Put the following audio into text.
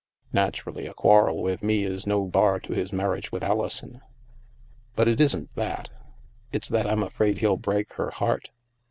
Naturally, a quarrel with me is no bar to his marriage with Alison. But it isn't that. It's that I'm afraid he'll break her heart.